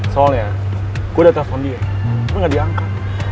soalnya gue udah telepon dia aku gak diangkat